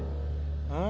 うん！